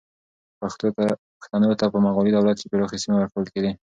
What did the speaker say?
پښتنو ته په مغلي دولت کې پراخې سیمې ورکول کېدې.